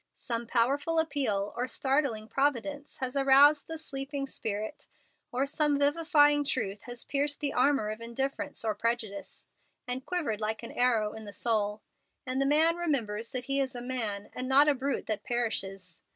Some powerful appeal or startling providence has aroused the sleeping spirit, or some vivifying truth has pierced the armor of indifference or prejudice, and quivered like an arrow in the soul, and the man remembers that he is a man, and not a brute that perishes.